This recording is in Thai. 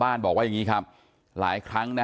ฐานพระพุทธรูปทองคำ